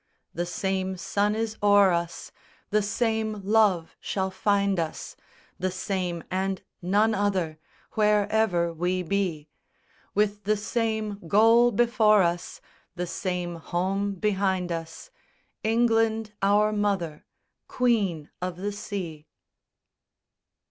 _The same sun is o'er us, The same Love shall find us, The same and none other, Wherever we be; With the same goal before us, The same home behind us, England, our mother, Queen of the sea.